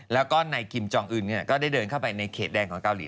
แล้วก็นายคิมจองอื่นก็ได้เดินเข้าไปในเขตแดนของเกาหลี